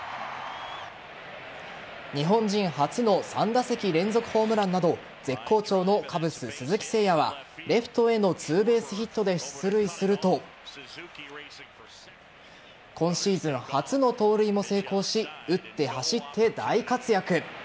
日本人初の３打席連続ホームランなど絶好調のカブス・鈴木誠也はレフトへのツーベースヒットで出塁すると今シーズン初の盗塁も成功し打って走って大活躍。